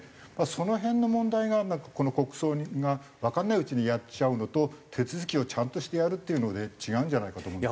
その辺の問題がこの国葬がわかんないうちにやっちゃうのと手続きをちゃんとしてやるっていうので違うんじゃないかと思う。